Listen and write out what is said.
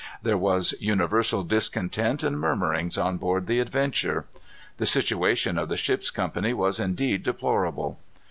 There was universal discontent and murmurings on board the Adventure. The situation of the ship's company was indeed deplorable.